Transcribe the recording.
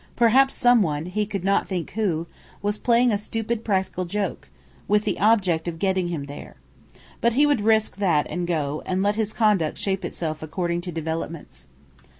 Perhaps someone he could not think who was playing a stupid practical joke, with the object of getting him there. But he would risk that and go, and let his conduct shape itself according to developments.